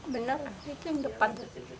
benar itu yang depan